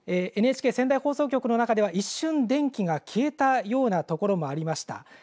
ＮＨＫ仙台放送局の中では一瞬電気が消えたようなところもありました。